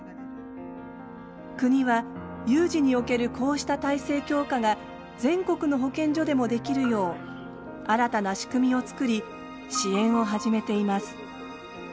国は有事におけるこうした体制強化が全国の保健所でもできるよう新たな仕組みを作り支援を始めています。